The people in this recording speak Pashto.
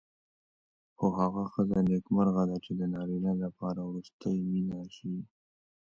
خو هغه ښځه نېکمرغه ده چې د نارینه لپاره وروستۍ مینه شي.